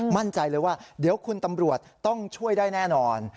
มั่นใจเลยว่าเดี๋ยวคุณตำรวจต้องช่วยได้แน่นอน